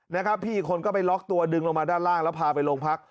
นะครับพี่อีกคนก็ไปล็อกตัวดึงลงมาด้านล่างแล้วพาไปโรงพัก